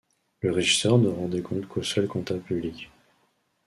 Le régisseur ne rend des comptes qu'au seul comptable public.